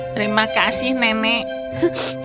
terima kasih nenek